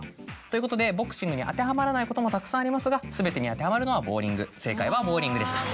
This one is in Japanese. ボクシングに当てはまらないこともたくさんありますが全てに当てはまるのはボウリング正解は「ボウリング」でした。